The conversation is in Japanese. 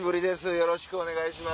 よろしくお願いします。